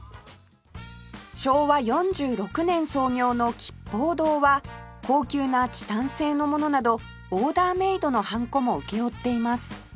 昭和４６年創業の吉報堂は高級なチタン製のものなどオーダーメイドのハンコも請け負っています